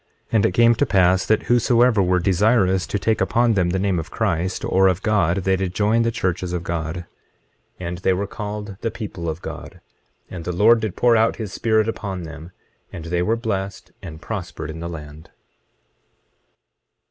And it came to pass that whosoever were desirous to take upon them the name of Christ, or of God, they did join the churches of God; 25:24 And they were called the people of God. And the Lord did pour out his Spirit upon them, and they were blessed, and prospered in the land.